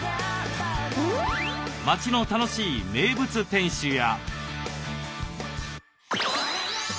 街の楽しい名物店主や。